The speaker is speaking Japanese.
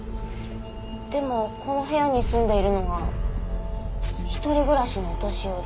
でもこの部屋に住んでいるのは一人暮らしのお年寄り。